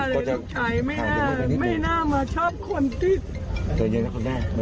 เข้าไปให้กับลูกเรานะ